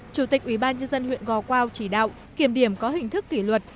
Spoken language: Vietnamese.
chủ tịch ubnd huyện gò quao chỉ đạo kiểm điểm có hình thức kỷ luật